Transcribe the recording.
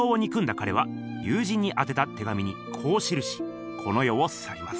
かれは友人にあてた手紙にこう記しこの世をさります。